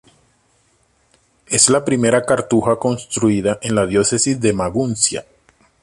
Es la primera cartuja construida en la diócesis de Maguncia.